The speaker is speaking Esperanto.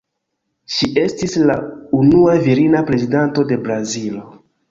Ŝi estis la unua virina Prezidanto de Brazilo.